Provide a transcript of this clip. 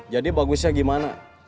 jadi bagusnya gimana